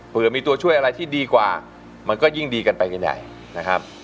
เผื่อมีตัวช่วยอะไรที่ดีกว่ามันก็ยิ่งดีกันไปกันใหญ่นะครับ